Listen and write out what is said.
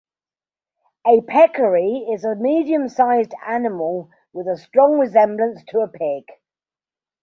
A peccary is a medium-sized animal, with a strong resemblance to a pig.